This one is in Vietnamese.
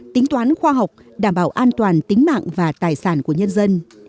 tính toán khoa học đảm bảo an toàn tính mạng và tài sản của nhân dân